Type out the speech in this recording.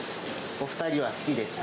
お２人は好きですか？